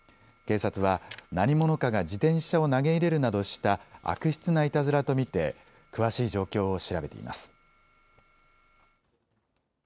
警察は何者かが自転車を投げ入れるなどした悪質ないたずらと見て詳しい状況を調べています。